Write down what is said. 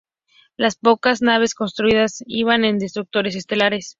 Las pocas naves construidas iban en destructores estelares.